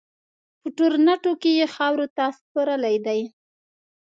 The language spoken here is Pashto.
په ټورنټو کې یې خاورو ته سپارلی دی.